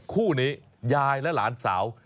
คู่นี้ยายและหลานสาว